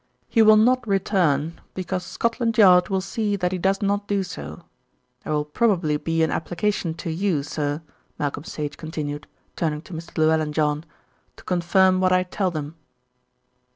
"He will not return, because Scotland Yard will see that he does not do so. There will probably be an application to you, sir," Malcolm Sage continued, turning to Mr. Llewellyn John, "to confirm what I tell them."